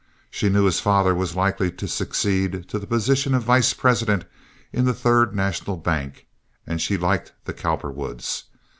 She knew his father was likely to succeed to the position of vice president in the Third National Bank, and she liked the Cowperwoods.